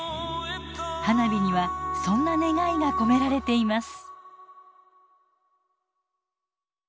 花火にはそんな願いが込められています。